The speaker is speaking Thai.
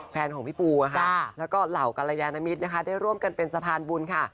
แฟนของพี่ปูแล้วก็เหล่ากรยานมิตรนะคะได้ร่วมกันเป็นสะพานบุญค่ะ